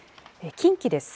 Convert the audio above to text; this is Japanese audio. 近畿です。